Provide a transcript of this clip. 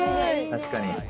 確かに。